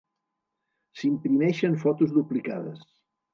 S'imprimeixen fotos duplicades.